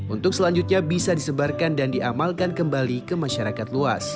untuk selanjutnya bisa disebarkan dan diamalkan kembali ke masyarakat luas